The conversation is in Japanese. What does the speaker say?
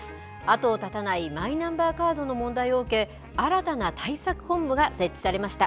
後を絶たないマイナンバーカードの問題を受け、新たな対策本部が設置されました。